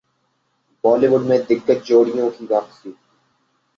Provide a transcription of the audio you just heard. बॉलीवुड में दिग्गज जोड़ियों की वापसी